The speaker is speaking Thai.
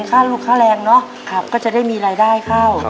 ค่าลูกค่าแรงเนาะก็จะได้มีรายได้เข้า